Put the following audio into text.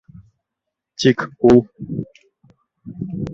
Тик ул...